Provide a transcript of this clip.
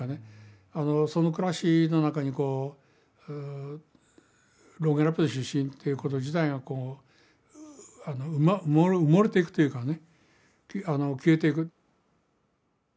その暮らしの中にロンゲラップの出身ということ自体が埋もれていくというかね消えていく。